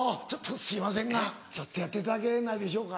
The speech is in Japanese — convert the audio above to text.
すいませんがちょっとやっていただけないでしょうか。